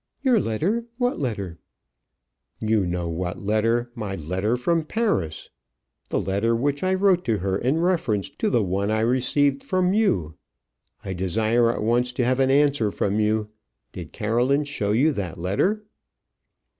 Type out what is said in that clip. "Your letter! what letter?" "You know what letter my letter from Paris? The letter which I wrote to her in reference to the one I received from you? I desire at once to have an answer from you. Did Caroline show you that letter?"